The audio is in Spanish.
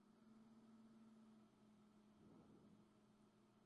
Actualmente es catedrático de la Universidad de Valencia.